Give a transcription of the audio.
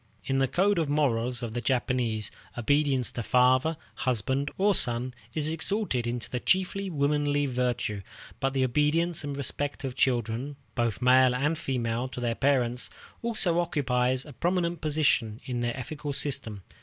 In the code of morals of the Japanese, obedience to father, husband, or son is exalted into the chief womanly virtue, but the obedience and respect of children, both male and female, to their parents, also occupies a prominent position in their ethical system.